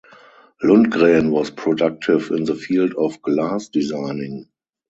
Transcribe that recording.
Lundgren was productive in the field of glass designing.